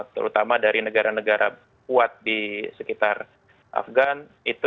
terutama dari negara negara kuat di sekitar afgan